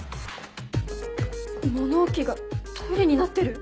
物置がトイレになってる？